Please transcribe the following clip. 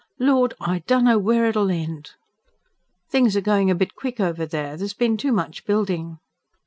Lord! I dunno where it'll end." "Things are going a bit quick over there. There's been too much building."